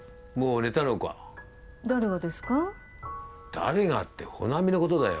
誰がって穂波の事だよ。